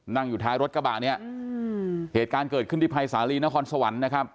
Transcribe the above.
นั่งอยู่ท้ายรถกระบะเนี่ยเหตุการณ์เกิดขึ้นที่ภัยสาลีนครสวรรค์นะครับ